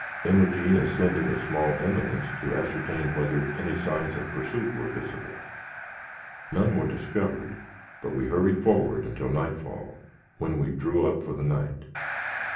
Imogene ascended a small eminence to ascertain whether any signs of pursuit were visible. None were discovered, but we hurried forward until nightfall, when we drew up for the night.